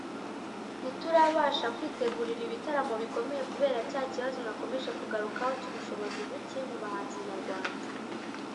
ntiturabasha kwitegurira ibitaramo bikomeye kubera cya kibazo nakomeje kugarukaho cy’ubushobozi buke mu bahanzi nyarwanda